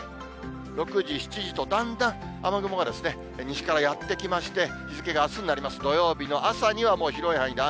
６時、７時とだんだん雨雲が西からやって来まして、日付があすになりますと土曜日の朝にはもう広い範囲で雨。